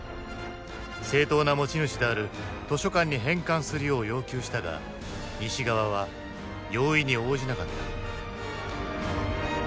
正当な持ち主である図書館に返還するよう要求したが西側は容易に応じなかった。